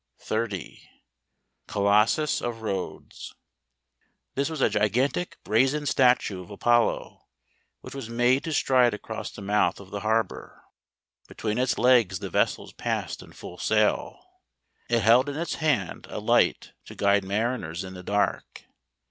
30. Colossus of Rhodes . This was a gigantic brazen statue of Apollo; which was made to stride across the mouth of the harbour: between its legs the vessels passed in full sail. It held in its hand a light, to guide mariners in the dark.